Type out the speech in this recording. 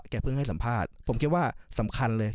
เพิ่งให้สัมภาษณ์ผมคิดว่าสำคัญเลย